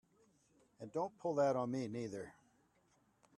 And don't pull that on me neither!